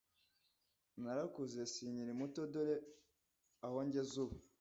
narakuze sinkiri muto dore aho ngeze ubu